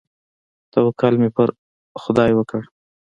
توکل مې پر خداى وکړ.